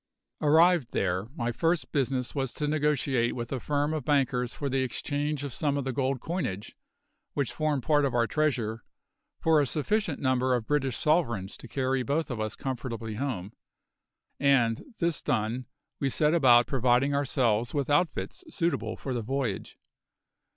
Arrived there, my first business was to negotiate with a firm of bankers for the exchange of some of the gold coinage, which formed part of our treasure, for a sufficient number of British sovereigns to carry both of us comfortably home, and, this done, we set about providing ourselves with outfits suitable for the voyage.